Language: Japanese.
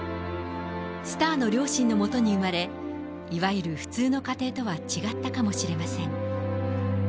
スターの両親の元に生まれ、いわゆる普通の家庭とは違ったかもしれません。